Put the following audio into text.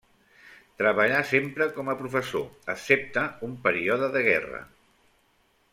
Treballà sempre com a professor excepte un període de guerra.